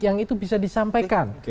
yang itu bisa disampaikan